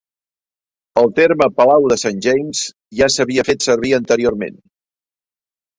El terme "palau de Saint James" ja s'havia fet servir anteriorment.